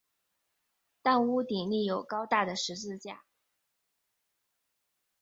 但屋顶立有高大的十字架。